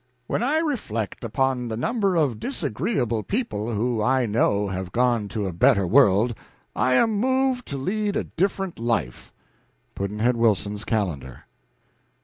When I reflect upon the number of disagreeable people who I know have gone to a better world, I am moved to lead a different life. Pudd'nhead Wilson's Calendar.